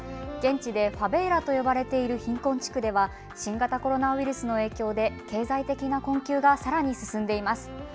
現地でファベーラと呼ばれている貧困地区では新型コロナウイルスの影響で経済的な困窮がさらに進んでいます。